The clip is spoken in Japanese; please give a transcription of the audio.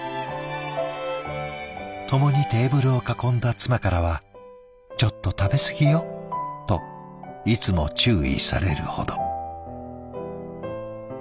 共にテーブルを囲んだ妻からは「ちょっと食べ過ぎよ」といつも注意されるほど。